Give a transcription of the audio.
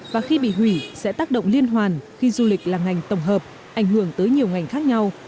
và khi bị hủy sẽ tác động liên hoàn khi du lịch là ngành tổng hợp ảnh hưởng tới nhiều ngành khác nhau